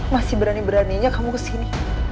masih berani beraninya kamu kesini